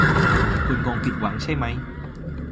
คุณคงผิดหวังใช่ไหม